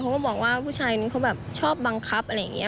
ก็บอกว่าผู้ชายนั้นเขาแบบชอบบังคับอะไรอย่างนี้